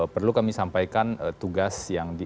perlu kami sampaikan tugas